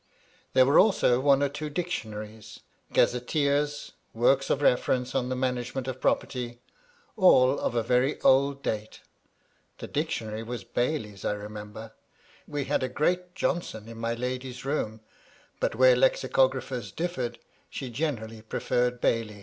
There were also one or two dictionaries, gazetteers, works of reference on the management of property ; all of a very old date (the dictionary was Bailey's, I remember ; we had a great Johnson in my lady's room, but where lexicographers differed, she generally preferred Bailey).